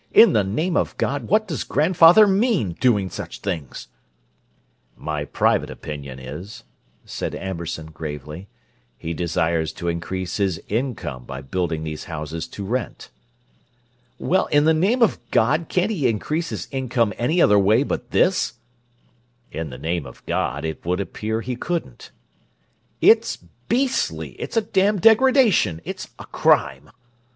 "In the name of God, what does grandfather mean, doing such things?" "My private opinion is," said Amberson gravely, "he desires to increase his income by building these houses to rent." "Well, in the name of God, can't he increase his income any other way but this?" "In the name of God, it would appear he couldn't." "It's beastly! It's a damn degradation! It's a crime!"